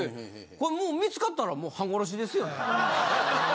これもう見つかったらもう半殺しですよね。